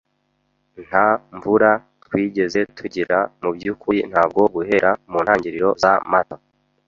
Nta mvura twigeze tugira; mubyukuri, ntabwo guhera muntangiriro za Mata.